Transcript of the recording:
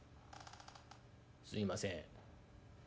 「すいません。